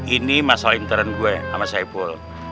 ini masalah intern gue sama saya pul